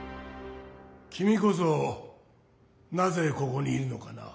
きみこそなぜここにいるのかな？